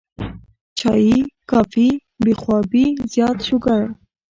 چائے ، کافي ، بې خوابي ، زيات شوګر